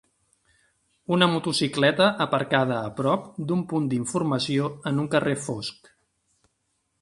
Una motocicleta aparcada a prop d'un punt d'informació en un carrer fosc